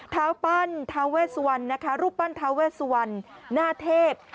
ท้าวปั้นท้าวเวสวรนะคะรูปปั้นท้าวเวสวรหน้าเทพ